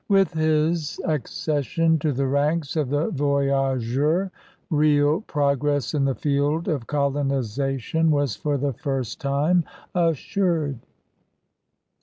With his accession to the ranks of the voyageurs real pro* gress in the field of colonization was for the first time assured.